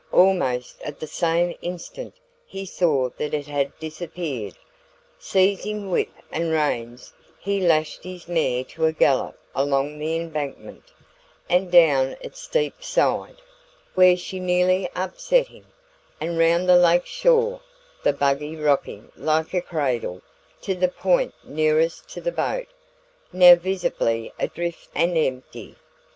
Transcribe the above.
Almost at the same instant he saw that it had disappeared. Seizing whip and reins, he lashed his mare to a gallop along the embankment and down its steep side, where she nearly upset him, and round the lake shore the buggy rocking like a cradle to the point nearest to the boat, now visibly adrift and empty.